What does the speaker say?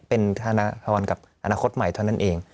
เป็นธนทรกับอนาคตใหม่เท่านั้นเอง